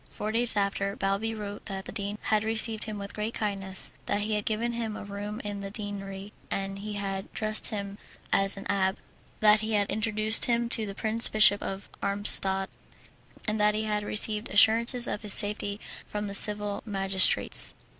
Four days after, Balbi wrote that the dean had received him with great kindness, that he had given him a room in the deanery, that he had dressed him as an abbé, that he had introduced him to the Prince Bishop of Armstadt, and that he had received assurances of his safety from the civil magistrates.